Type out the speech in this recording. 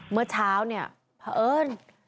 เมื่อเช้าเนี่ยพระเอิญ